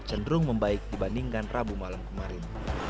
cenderung membaik dibandingkan rabu malam kemarin